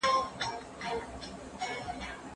د غوا غوښه انرژي لري.